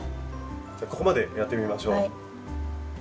ここまでやってみましょう。